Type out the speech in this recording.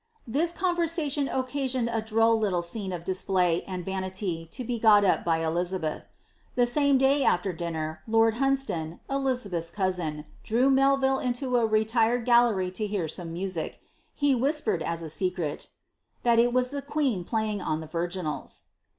Th conversaiiou oecasioned a droll liiile scene of display and vanilv W t get ,ip !.y Eliznheih. The same day after dhiiier, l.t.rd Hunsdon; Ella beth's cousin, drew Melville inio a retired gallery to hear some innn He whispered, aa a secret, " that il was the queen playing on the vii ginals."